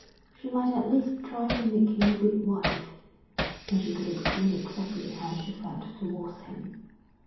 She might at least try to make him a good wife; and she could explain exactly how she felt towards him.